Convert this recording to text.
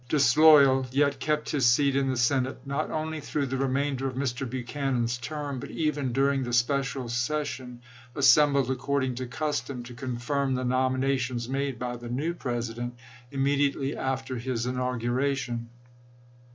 disloyal, yet kept his seat in the Senate, not only through the remainder of Mr. Buchanan's term, but even during the special session, assembled ac cording to custom, to confirm the nominations made by the new President immediately after his inauguration.